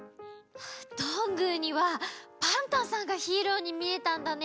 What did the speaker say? どんぐーにはパンタンさんがヒーローにみえたんだね。